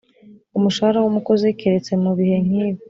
Umushahara w umukozi keretse mu bihe nkibi